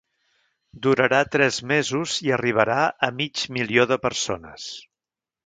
Durarà tres mesos i arribarà a mig milió de persones.